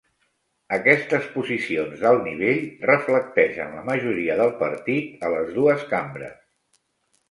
Aquestes posicions d'alt nivell reflecteixen la majoria del partit a les dues cambres.